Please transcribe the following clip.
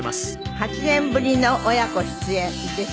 ８年ぶりの親子出演でございます。